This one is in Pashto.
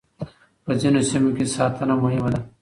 په ځينو سيمو کې ساتنه مهمه ده.